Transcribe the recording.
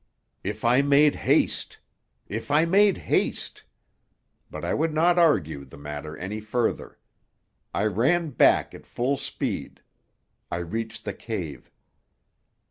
If I made haste! If I made haste! But I would not argue the matter any further. I ran back at full speed. I reached the cave.